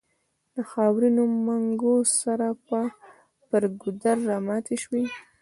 له خاورينو منګو سره پر ګودر راماتې شوې.